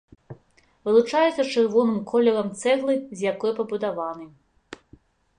Вылучаецца чырвоным колерам цэглы, з якой пабудаваны.